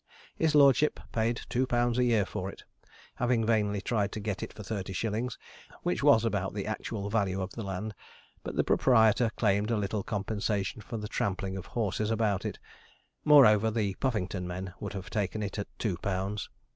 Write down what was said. His lordship paid two pounds a year for it, having vainly tried to get it for thirty shillings, which was about the actual value of the land, but the proprietor claimed a little compensation for the trampling of horses about it; moreover, the Puffington men would have taken it at two pounds.